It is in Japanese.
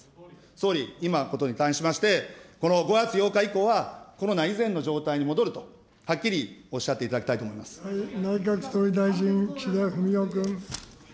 総理、今のことに関しまして、この５月８日以降はコロナ以前の状態に戻ると、はっきりおっしゃっ内閣総理大臣、岸田文雄君。